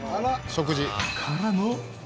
「食事」からの。